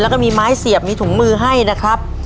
แล้วก็มีไม้เสียบมีถุงมือให้นะครับ